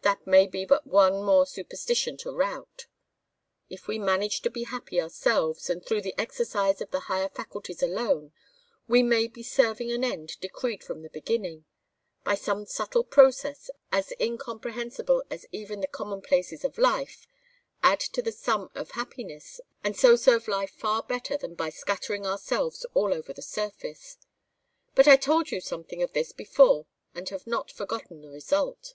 That may be but one more superstition to rout. If we manage to be happy ourselves, and through the exercise of the higher faculties alone, we may be serving an end decreed from the beginning; by some subtle process, as incomprehensible as even the commonplaces of life, add to the sum of happiness, and so serve life far better than by scattering ourselves all over the surface. But I told you something of this before and have not forgotten the result."